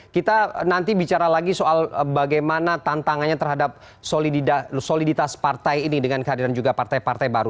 kita nanti bicara lagi soal bagaimana tantangannya terhadap soliditas partai ini dengan kehadiran juga partai partai baru